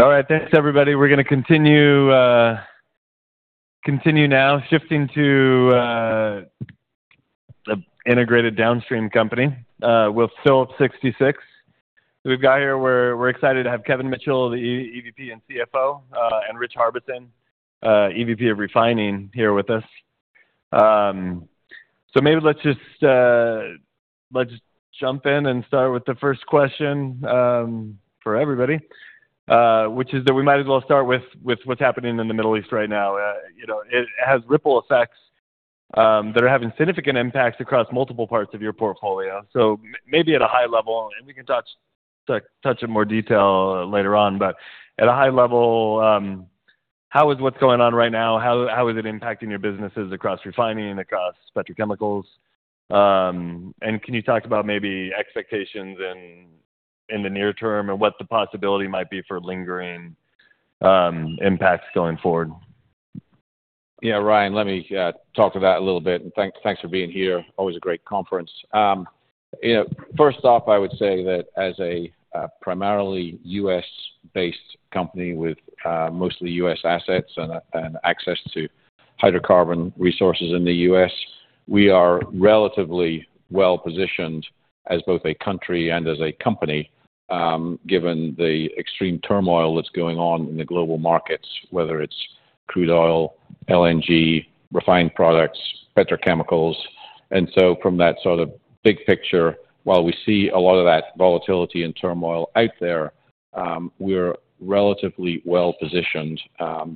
All right. Thanks everybody. We're gonna continue now shifting to the integrated downstream company with Phillips 66. We're excited to have Kevin Mitchell, the EVP and CFO, and Rich Harbison, EVP of Refining, here with us. So maybe let's just jump in and start with the first question for everybody, which is that we might as well start with what's happening in the Middle East right now. You know, it has ripple effects that are having significant impacts across multiple parts of your portfolio. Maybe at a high level, and we can touch in more detail later on, but at a high level, how is what's going on right now? How is it impacting your businesses across refining, across petrochemicals? Can you talk about maybe expectations in the near term and what the possibility might be for lingering impacts going forward? Yeah. Ryan, let me talk to that a little bit, and thanks for being here. Always a great conference. You know, first off, I would say that as a primarily U.S.-based company with mostly U.S. assets and access to hydrocarbon resources in the U.S., we are relatively well-positioned as both a country and as a company, given the extreme turmoil that's going on in the global markets, whether it's crude oil, LNG, refined products, petrochemicals. From that sort of big picture, while we see a lot of that volatility and turmoil out there, we're relatively well-positioned,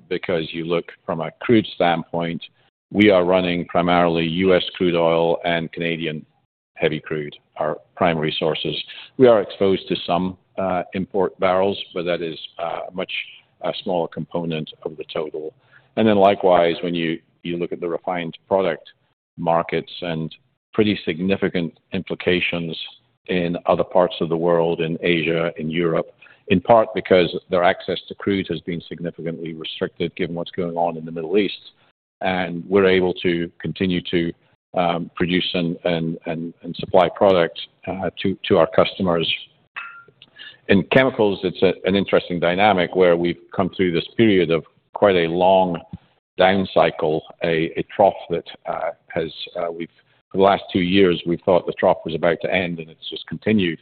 because you look from a crude standpoint, we are running primarily U.S. crude oil and Canadian heavy crude, our primary sources. We are exposed to some import barrels, but that is much a smaller component of the total. Then likewise, when you look at the refined product markets and pretty significant implications in other parts of the world, in Asia, in Europe, in part because their access to crude has been significantly restricted given what's going on in the Middle East, and we're able to continue to produce and supply product to our customers. In chemicals, it's an interesting dynamic where we've come through this period of quite a long downcycle, a trough. For the last two years, we thought the trough was about to end, and it's just continued.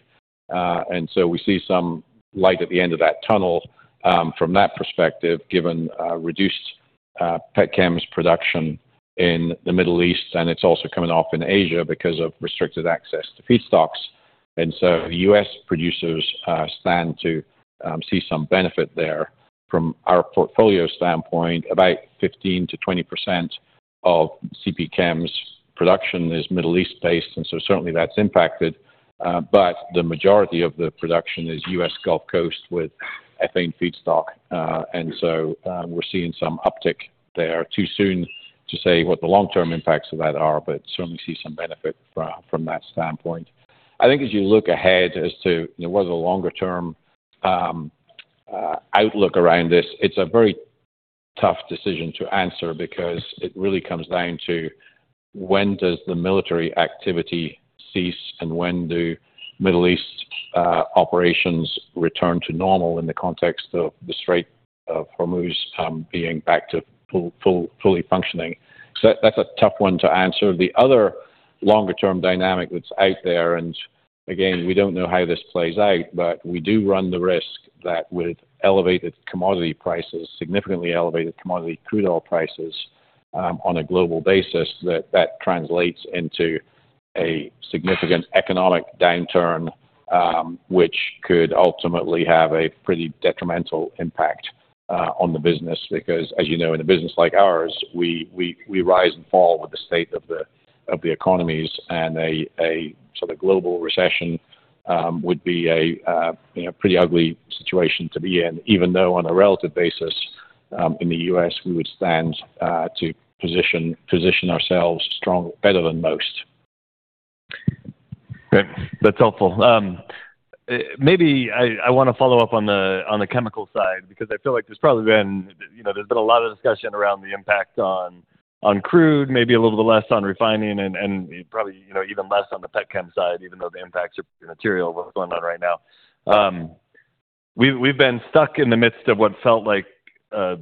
We see some light at the end of that tunnel from that perspective, given reduced petchems production in the Middle East, and it's also coming off in Asia because of restricted access to feedstocks. U.S. producers stand to see some benefit there. From our portfolio standpoint, about 15-20% of CPChem's production is Middle East-based, and so certainly that's impacted. But the majority of the production is U.S. Gulf Coast with ethane feedstock. And so, we're seeing some uptick there. Too soon to say what the long-term impacts of that are, but certainly see some benefit from that standpoint. I think as you look ahead as to, you know, what is the longer-term, outlook around this, it's a very tough decision to answer because it really comes down to when does the military activity cease, and when do Middle East, operations return to normal in the context of the Strait of Hormuz, being back to fully functioning. So that's a tough one to answer. The other longer-term dynamic that's out there, and again, we don't know how this plays out, but we do run the risk that with elevated commodity prices, significantly elevated commodity crude oil prices, on a global basis, that translates into a significant economic downturn, which could ultimately have a pretty detrimental impact on the business. Because as you know, in a business like ours, we rise and fall with the state of the economies, and a sort of global recession would be, you know, a pretty ugly situation to be in, even though on a relative basis, in the U.S., we would stand to position ourselves better than most. Great. That's helpful. Maybe I wanna follow up on the chemical side because I feel like there's probably been, you know, a lot of discussion around the impact on crude, maybe a little bit less on refining and probably, you know, even less on the petchems side, even though the impacts are pretty material, what's going on right now. We've been stuck in the midst of what felt like a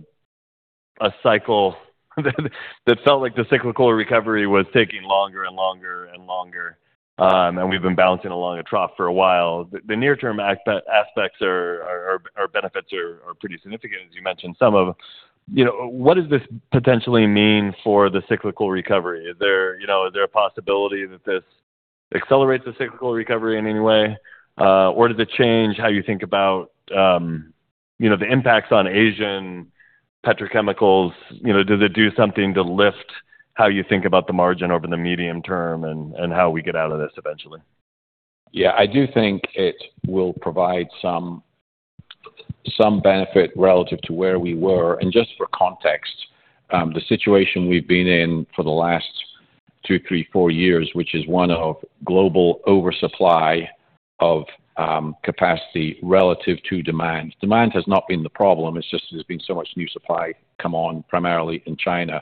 cycle that felt like the cyclical recovery was taking longer and longer and longer. We've been bouncing along a trough for a while. The near-term aspects or benefits are pretty significant, as you mentioned some of them. You know, what does this potentially mean for the cyclical recovery? Is there, you know, is there a possibility that this accelerates the cyclical recovery in any way? Or does it change how you think about, you know, the impacts on Asian petrochemicals? You know, does it do something to lift how you think about the margin over the medium term and how we get out of this eventually? Yeah. I do think it will provide some benefit relative to where we were. Just for context, the situation we've been in for the last two, three, four years, which is one of global oversupply of capacity relative to demand. Demand has not been the problem. It's just there's been so much new supply come on, primarily in China.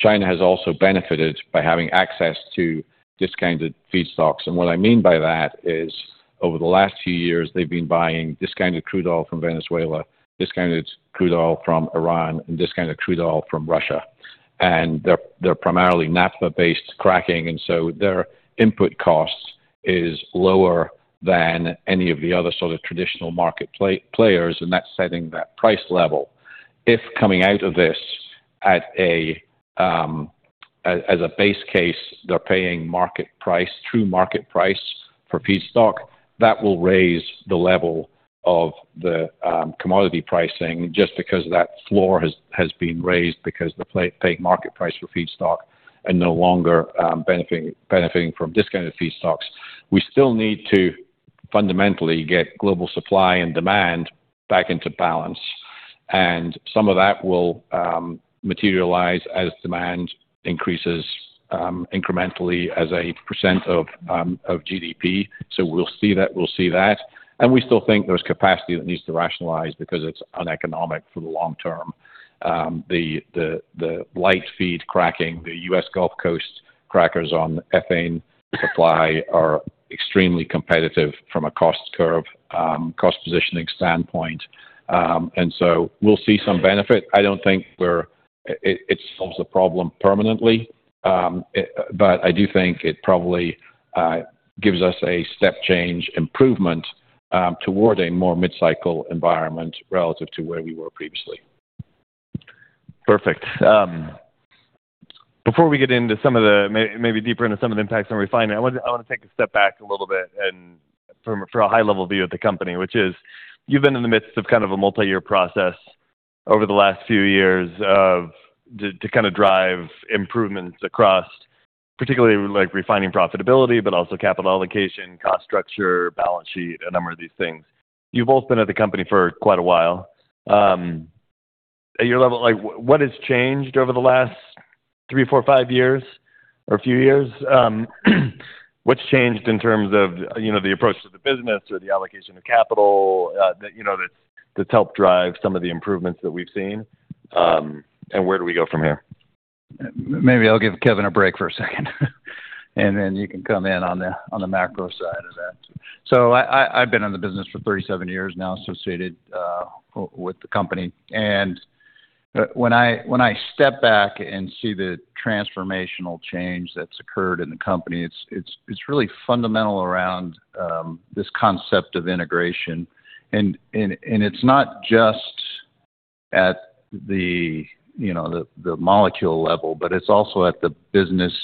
China has also benefited by having access to discounted feedstocks. What I mean by that is over the last few years they've been buying discounted crude oil from Venezuela, discounted crude oil from Iran, and discounted crude oil from Russia. They're primarily naphtha-based cracking, and so their input cost is lower than any of the other sort of traditional market players, and that's setting that price level. If coming out of this at a base case, they're paying market price, true market price for feedstock, that will raise the level of the commodity pricing just because that floor has been raised because they're paying market price for feedstock and no longer benefiting from discounted feedstocks. We still need to fundamentally get global supply and demand back into balance, and some of that will materialize as demand increases incrementally as a percent of GDP. We'll see that. We still think there's capacity that needs to rationalize because it's uneconomic for the long term. The light feed cracking, the U.S. Gulf Coast crackers on ethane supply are extremely competitive from a cost curve, cost positioning standpoint. We'll see some benefit. I don't think we're. It solves the problem permanently, but I do think it probably gives us a step change improvement toward a more mid-cycle environment relative to where we were previously. Perfect. Before we get into some of the maybe deeper into some of the impacts on refining, I want to take a step back a little bit and for a high-level view of the company, which is you've been in the midst of kind of a multi-year process over the last few years to kind of drive improvements across particularly like refining profitability, but also capital allocation, cost structure, balance sheet, a number of these things. You've both been at the company for quite a while. At your level, like what has changed over the last three, four, five years or a few years? What's changed in terms of, you know, the approach to the business or the allocation of capital, that, you know, that's helped drive some of the improvements that we've seen, and where do we go from here? Maybe I'll give Kevin a break for a second, and then you can come in on the macro side of that. I've been in the business for 37 years now associated with the company. When I step back and see the transformational change that's occurred in the company, it's really fundamental around this concept of integration. It's not just at the, you know, molecule level, but it's also at the business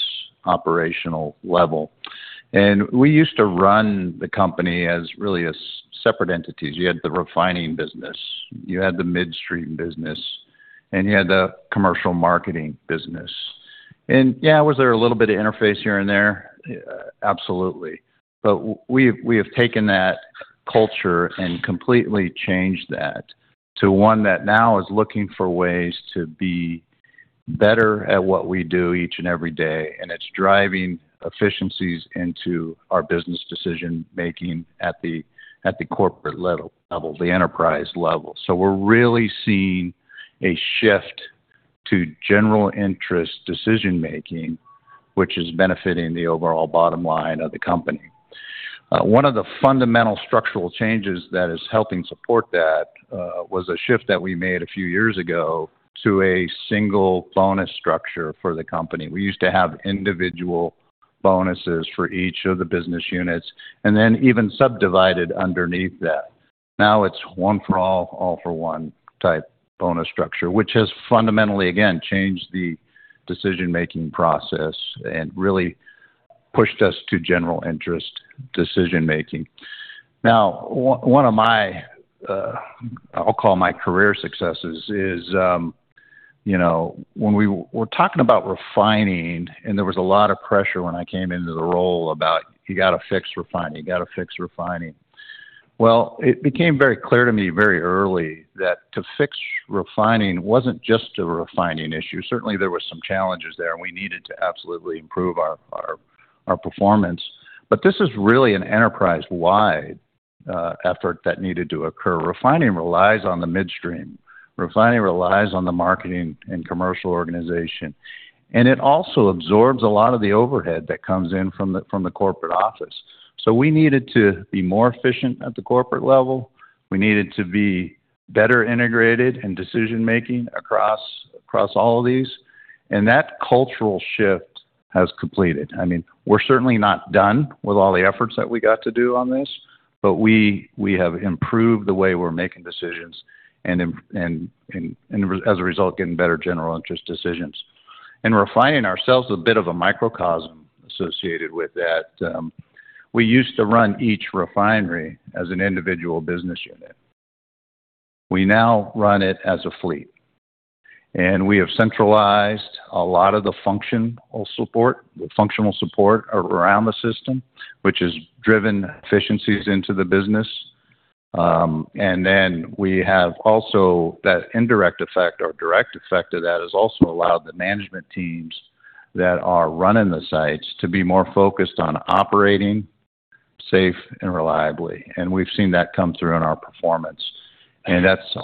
operational level. We used to run the company as really a separate entities. You had the refining business, you had the midstream business, and you had the commercial marketing business. Yeah, was there a little bit of interface here and there? Absolutely. We have taken that culture and completely changed that to one that now is looking for ways to be better at what we do each and every day, and it's driving efficiencies into our business decision-making at the corporate level, the enterprise level. We're really seeing a shift to general interest decision-making, which is benefiting the overall bottom line of the company. One of the fundamental structural changes that is helping support that was a shift that we made a few years ago to a single bonus structure for the company. We used to have individual bonuses for each of the business units and then even subdivided underneath that. Now it's one for all for one type bonus structure, which has fundamentally, again, changed the decision-making process and really pushed us to general interest decision-making. Now, one of my, I'll call my career successes is, you know, when we were talking about refining and there was a lot of pressure when I came into the role about, you gotta fix refining. Well, it became very clear to me very early that to fix refining wasn't just a refining issue. Certainly, there were some challenges there, and we needed to absolutely improve our performance. This is really an enterprise-wide effort that needed to occur. Refining relies on the midstream. Refining relies on the marketing and commercial organization. It also absorbs a lot of the overhead that comes in from the corporate office. We needed to be more efficient at the corporate level. We needed to be better integrated in decision-making across all of these. That cultural shift has completed. I mean, we're certainly not done with all the efforts that we got to do on this, but we have improved the way we're making decisions and, as a result, getting better general interest decisions. Refining ourselves is a bit of a microcosm associated with that. We used to run each refinery as an individual business unit. We now run it as a fleet. We have centralized a lot of the functional support around the system, which has driven efficiencies into the business. Then we have also that indirect effect or direct effect of that has also allowed the management teams that are running the sites to be more focused on operating safely and reliably. We've seen that come through in our performance. That's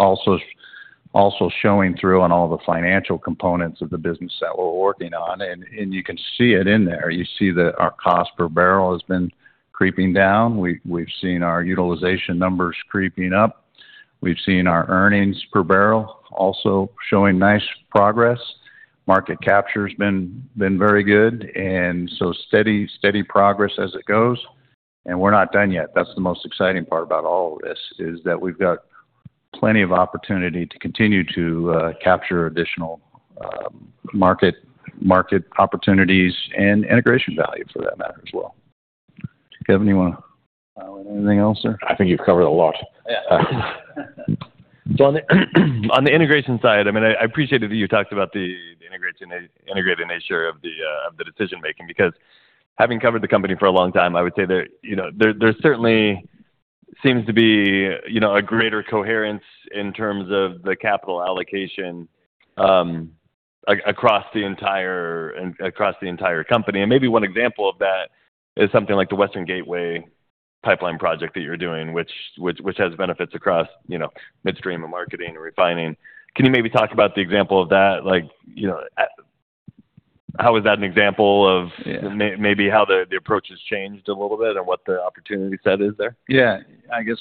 also showing through on all the financial components of the business that we're working on, and you can see it in there. You see that our cost per barrel has been creeping down. We've seen our utilization numbers creeping up. We've seen our earnings per barrel also showing nice progress. Market capture's been very good, steady progress as it goes. We're not done yet. That's the most exciting part about all of this, is that we've got plenty of opportunity to continue to capture additional market opportunities and integration value for that matter as well. Kevin, you wanna add anything else there? I think you've covered a lot. Yeah. On the integration side, I appreciated that you talked about the integrated nature of the decision-making because having covered the company for a long time, I would say there certainly seems to be a greater coherence in terms of the capital allocation across the entire company. Maybe one example of that is something like the Western Gateway Pipeline project that you're doing, which has benefits across midstream and marketing and refining. Can you talk about the example of that? Like, you know, how is that an example of- Yeah... maybe how the approach has changed a little bit and what the opportunity set is there? Yeah. I guess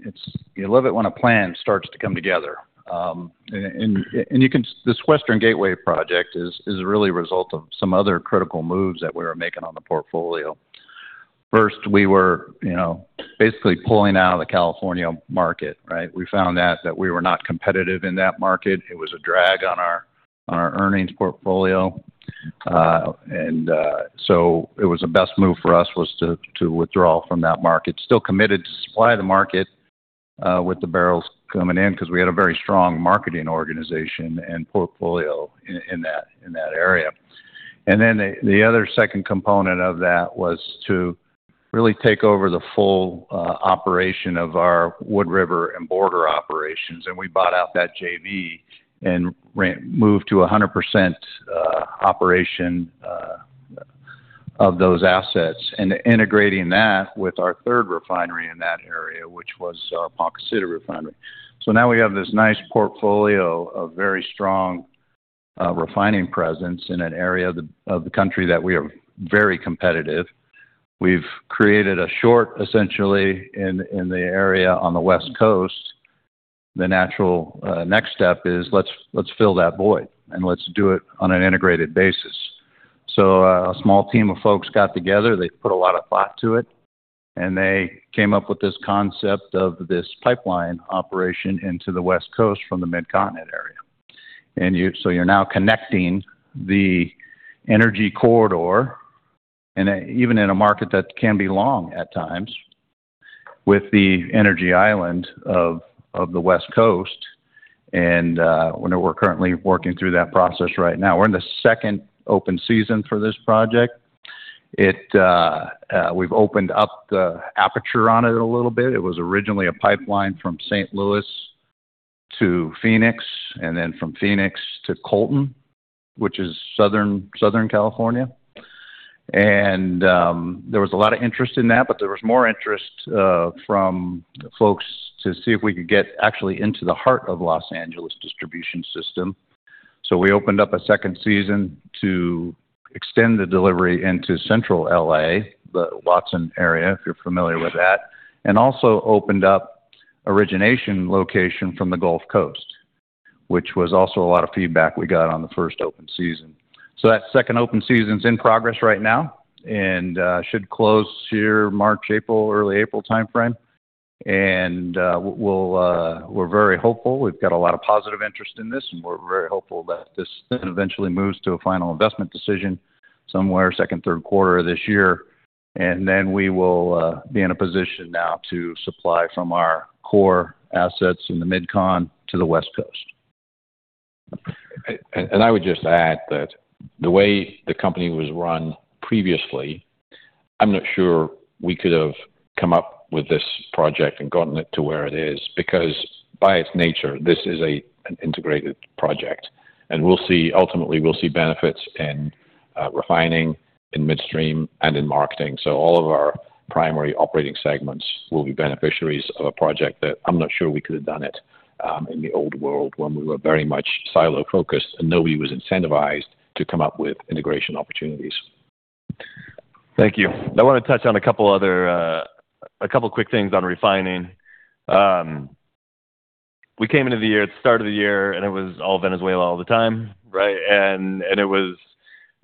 it's. You love it when a plan starts to come together, and this Western Gateway project is really a result of some other critical moves that we were making on the portfolio. First, we were, you know, basically pulling out of the California market, right? We found that we were not competitive in that market. It was a drag on our earnings portfolio. So it was the best move for us to withdraw from that market. Still committed to supply the market with the barrels coming in because we had a very strong marketing organization and portfolio in that area. The other second component of that was to really take over the full operation of our Wood River and Borger operations, and we bought out that JV and moved to 100% operation of those assets, and integrating that with our third refinery in that area, which was Ponca City Refinery. Now we have this nice portfolio of very strong refining presence in an area of the country that we are very competitive. We've created a sort, essentially, in the area on the West Coast. The natural next step is let's fill that void, and let's do it on an integrated basis. A small team of folks got together, they put a lot of thought to it, and they came up with this concept of this pipeline operation into the West Coast from the Midcontinent area. You're now connecting the energy corridor, and even in a market that can be long at times, with the energy island of the West Coast. You know, we're currently working through that process right now. We're in the second open season for this project. We've opened up the aperture on it a little bit. It was originally a pipeline from St. Louis to Phoenix, and then from Phoenix to Colton, which is Southern California. There was a lot of interest in that, but there was more interest from folks to see if we could get actually into the heart of Los Angeles distribution system. We opened up a second season to extend the delivery into Central L.A., the Watson area, if you're familiar with that, and also opened up origination location from the Gulf Coast, which was also a lot of feedback we got on the first open season. That second open season's in progress right now and should close here March, April, early April timeframe. We're very hopeful. We've got a lot of positive interest in this, and we're very hopeful that this then eventually moves to a final investment decision somewhere second, third quarter of this year. We will be in a position now to supply from our core assets in the MidCon to the West Coast. I would just add that the way the company was run previously, I'm not sure we could have come up with this project and gotten it to where it is because by its nature, this is an integrated project. We'll see ultimately we'll see benefits in refining, in midstream, and in marketing. All of our primary operating segments will be beneficiaries of a project that I'm not sure we could have done it in the old world when we were very much silo-focused and nobody was incentivized to come up with integration opportunities. Thank you. I wanna touch on a couple other quick things on refining. We came into the year, at the start of the year, and it was all Venezuela all the time, right? It was,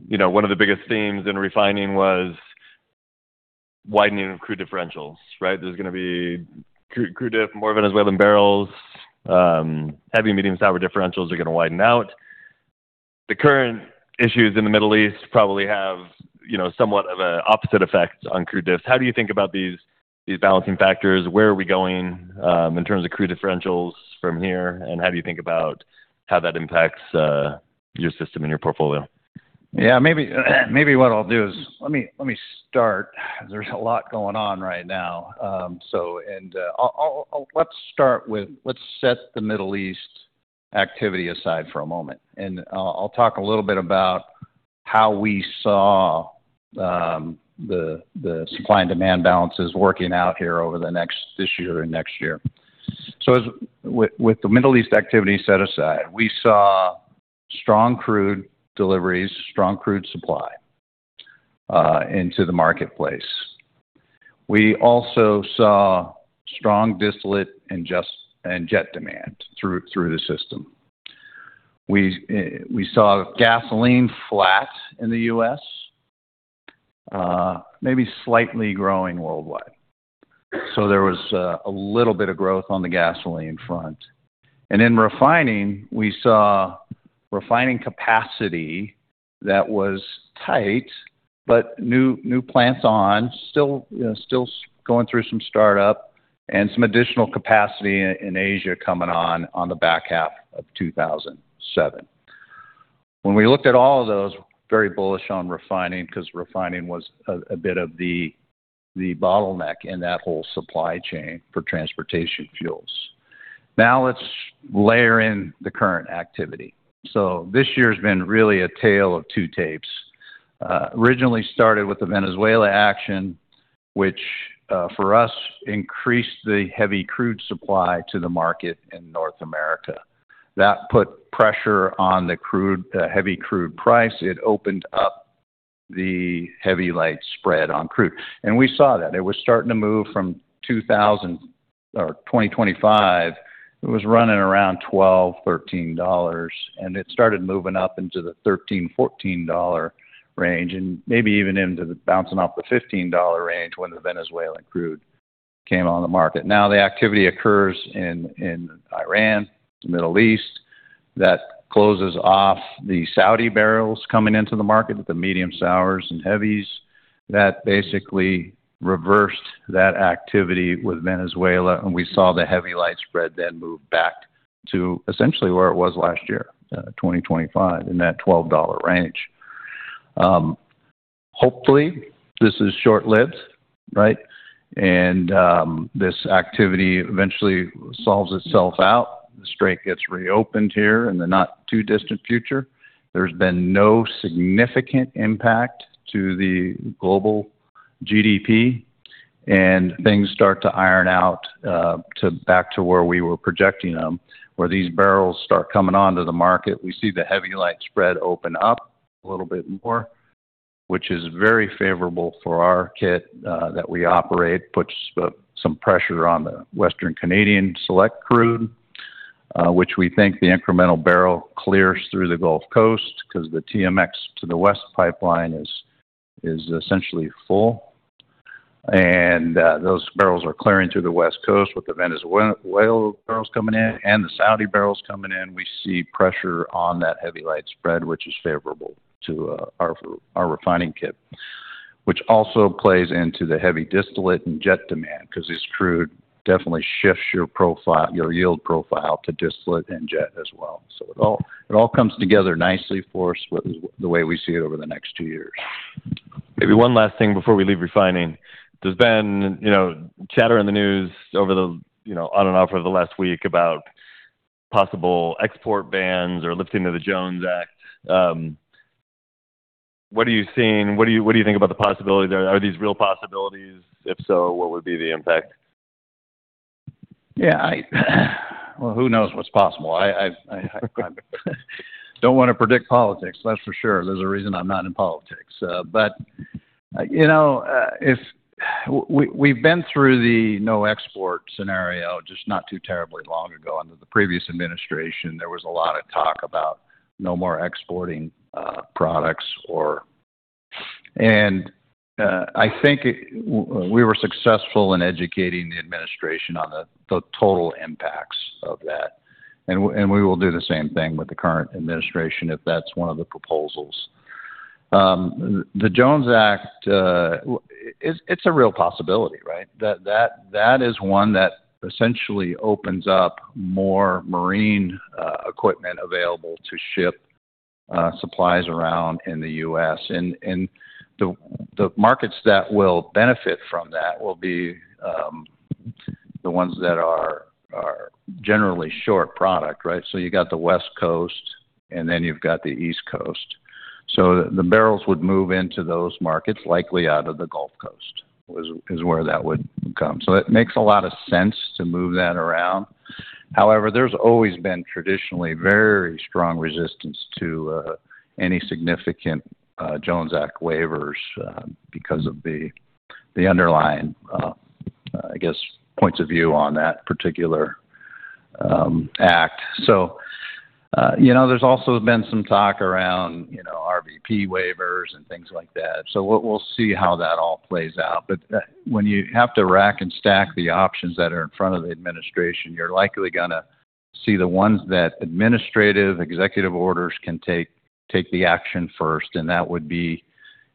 you know, one of the biggest themes in refining was widening of crude differentials, right? There's gonna be crude diff, more Venezuelan barrels. Heavy, medium sour differentials are gonna widen out. The current issues in the Middle East probably have, you know, somewhat of a opposite effect on crude diffs. How do you think about these balancing factors? Where are we going in terms of crude differentials from here, and how do you think about how that impacts your system and your portfolio? Yeah. Maybe what I'll do is let me start. There's a lot going on right now. Let's set the Middle East activity aside for a moment, and I'll talk a little bit about how we saw the supply and demand balances working out here over this year and next year. With the Middle East activity set aside, we saw strong crude deliveries, strong crude supply into the marketplace. We also saw strong distillate and jet demand through the system. We saw gasoline flat in the U.S., maybe slightly growing worldwide. There was a little bit of growth on the gasoline front. In refining, we saw refining capacity that was tight, but new plants on, still, you know, still going through some startup, and some additional capacity in Asia coming on in the back half of 2007. When we looked at all of those, very bullish on refining because refining was a bit of the bottleneck in that whole supply chain for transportation fuels. Now let's layer in the current activity. This year's been really a tale of two tapes. Originally started with the Venezuela action, which, for us, increased the heavy crude supply to the market in North America. That put pressure on the heavy crude price. It opened up the light-heavy spread on crude. We saw that. It was starting to move from $20 or $25. It was running around $12-13, and it started moving up into the $13-14 dollar range and maybe even bouncing off the $15 dollar range when the Venezuelan crude came on the market. Now the activity occurs in Iran, the Middle East, that closes off the Saudi barrels coming into the market with the medium sours and heavies. That basically reversed that activity with Venezuela, and we saw the light-heavy spread then move back to essentially where it was last year, $20-25 in that $12 dollar range. Hopefully, this is short-lived, right? This activity eventually solves itself out. The strait gets reopened here in the not too distant future. There's been no significant impact to the global GDP, and things start to iron out to back to where we were projecting them, where these barrels start coming onto the market. We see the light-heavy spread open up a little bit more, which is very favorable for our kit that we operate, puts some pressure on the Western Canadian Select crude, which we think the incremental barrel clears through the Gulf Coast because the TMX to the West pipeline is essentially full. Those barrels are clearing through the West Coast with the Venezuelan oil barrels coming in and the Saudi barrels coming in. We see pressure on that light-heavy spread, which is favorable to our refining kit, which also plays into the heavy distillate and jet demand because this crude definitely shifts your profile, your yield profile to distillate and jet as well. It all comes together nicely for us with the way we see it over the next two years. Maybe one last thing before we leave refining. There's been, you know, chatter in the news over the, you know, on and off over the last week about possible export bans or lifting of the Jones Act. What are you seeing? What do you, what do you think about the possibility there? Are these real possibilities? If so, what would be the impact? Yeah. Well, who knows what's possible. I don't want to predict politics, that's for sure. There's a reason I'm not in politics. But you know, we've been through the no export scenario just not too terribly long ago. Under the previous administration, there was a lot of talk about no more exporting products or. I think we were successful in educating the administration on the total impacts of that. We will do the same thing with the current administration if that's one of the proposals. The Jones Act, it's a real possibility, right? That is one that essentially opens up more marine equipment available to ship supplies around in the U.S. The markets that will benefit from that will be the ones that are generally short product, right? You got the West Coast, and then you've got the East Coast. The barrels would move into those markets, likely out of the Gulf Coast, is where that would come. It makes a lot of sense to move that around. However, there's always been traditionally very strong resistance to any significant Jones Act waivers because of the underlying I guess points of view on that particular act. You know, there's also been some talk around, you know, RVP waivers and things like that. We'll see how that all plays out. when you have to rack and stack the options that are in front of the administration, you're likely gonna see the ones that administrative executive orders can take the action first, and that would be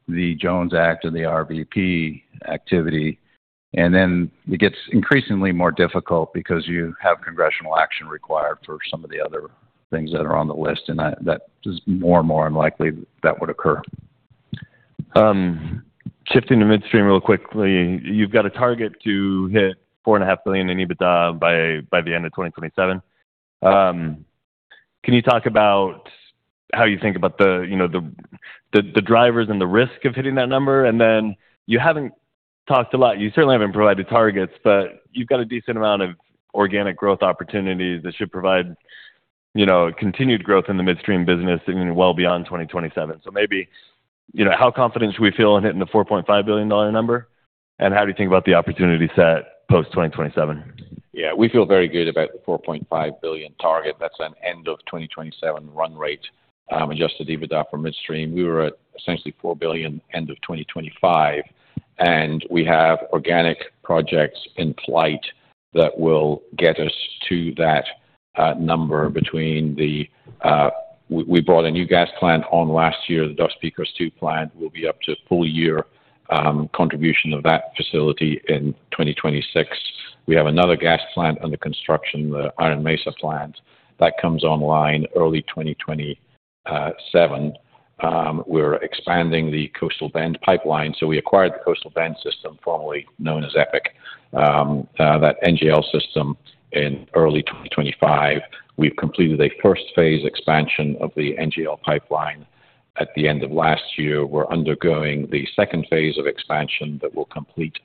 the Jones Act or the RVP activity. It gets increasingly more difficult because you have congressional action required for some of the other things that are on the list, and that is more and more unlikely that would occur. Shifting to midstream real quickly. You've got a target to hit 4.5 billion in EBITDA by the end of 2027. Can you talk about how you think about the, you know, the drivers and the risk of hitting that number? You haven't talked a lot. You certainly haven't provided targets, but you've got a decent amount of organic growth opportunities that should provide, you know, continued growth in the midstream business even well beyond 2027. Maybe, you know, how confident should we feel in hitting the $4.5 billion number? And how do you think about the opportunity set post-2027? Yeah, we feel very good about the $4.5 billion target. That's an end of 2027 run rate, adjusted EBITDA for midstream. We were at essentially $4 billion end of 2025, and we have organic projects in place that will get us to that number. We brought a new gas plant on last year. The Dos Picos II plant will be up to full year contribution of that facility in 2026. We have another gas plant under construction, the Iron Mesa plant, that comes online early 2027. We're expanding the Coastal Bend pipeline. We acquired the Coastal Bend system, formerly known as EPIC NGL, that NGL system in early 2025. We've completed a first phase expansion of the NGL pipeline at the end of last year. We're undergoing the second phase of expansion that we'll complete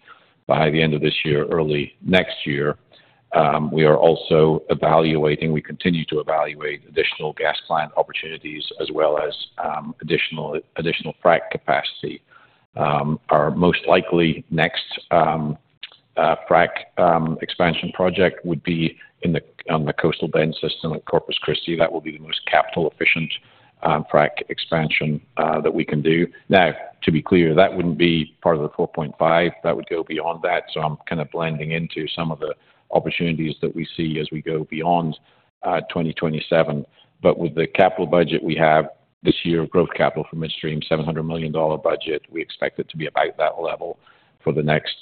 by the end of this year, early next year. We continue to evaluate additional gas plant opportunities as well as additional frac capacity. Our most likely next frac expansion project would be on the Coastal Bend system at Corpus Christi. That will be the most capital efficient frac expansion that we can do. Now, to be clear, that wouldn't be part of the 4.5. That would go beyond that. I'm kind of blending into some of the opportunities that we see as we go beyond 2027. With the capital budget we have this year of growth capital for midstream, $700 million budget, we expect it to be about that level for the next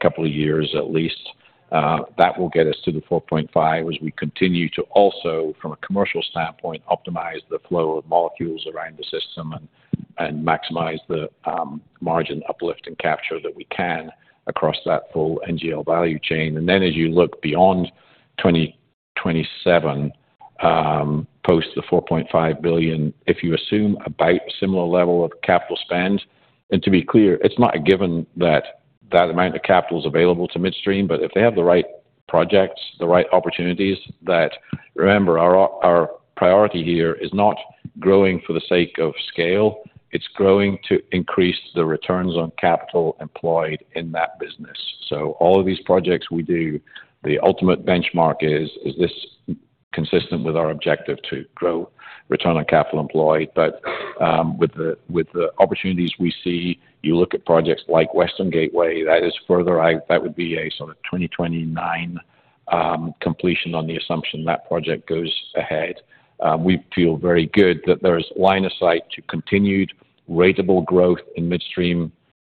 couple of years at least. That will get us to the 4.5 as we continue to also, from a commercial standpoint, optimize the flow of molecules around the system and maximize the margin uplift and capture that we can across that full NGL value chain. Then as you look beyond 2027, post the $4.5 billion, if you assume about similar level of capital spend. To be clear, it's not a given that that amount of capital is available to midstream, but if they have the right projects, the right opportunities, that. Remember, our priority here is not growing for the sake of scale, it's growing to increase the Return on Capital Employed in that business. All of these projects we do, the ultimate benchmark is this consistent with our objective to grow Return on Capital Employed? With the opportunities we see, you look at projects like Western Gateway, that is further out. That would be a sort of 2029 completion on the assumption that project goes ahead. We feel very good that there's line of sight to continued ratable growth in midstream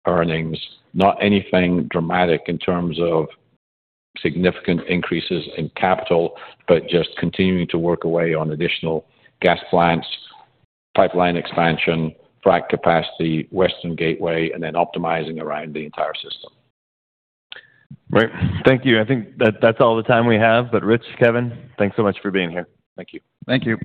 earnings. Not anything dramatic in terms of significant increases in capital, but just continuing to work away on additional gas plants, pipeline expansion, frac capacity, Western Gateway, and then optimizing around the entire system. Right. Thank you. I think that that's all the time we have. Rich, Kevin, thanks so much for being here. Thank you. Thank you.